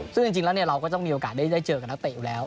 ซึ่งจริงแล้วเราก็ต้องมีโอกาสได้เจอกับนักเตะอยู่แล้ว